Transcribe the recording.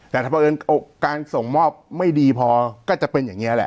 แต่ถ้าเพราะเอิญการส่งมอบไม่ดีพอก็จะเป็นอย่างนี้แหละ